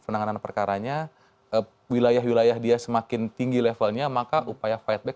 penanganan perkaranya wilayah wilayah dia semakin tinggi levelnya maka upaya fight back